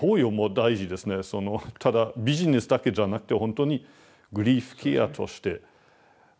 ただビジネスだけじゃなくてほんとにグリーフケアとして。